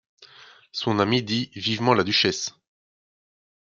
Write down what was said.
Son ami, dit vivement la duchesse.